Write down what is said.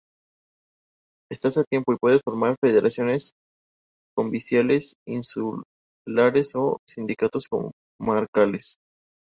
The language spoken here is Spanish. Éstas, al tiempo, pueden formar federaciones provinciales, insulares o sindicatos comarcales.